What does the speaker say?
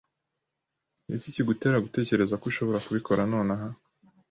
Niki kigutera gutekereza ko ushobora kubikora nonaha?